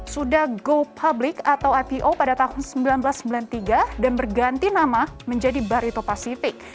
sudah go public atau ipo pada tahun seribu sembilan ratus sembilan puluh tiga dan berganti nama menjadi barito pacific